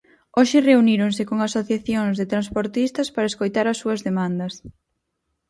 Hoxe reuníronse con asociacións de transportistas para escoitar as súas demandas.